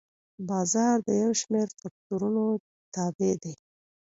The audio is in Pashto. بازار د یو شمېر فکتورونو تابع دی.